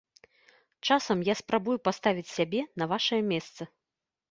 Часам я спрабую паставіць сябе на вашае месца.